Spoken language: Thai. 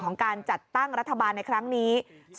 การจัดตั้งรัฐบาลในครั้งนี้